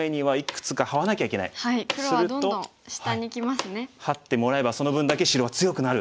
するとハッてもらえばその分だけ白は強くなる。